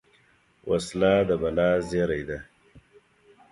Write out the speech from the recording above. وسله د بلا زېری ده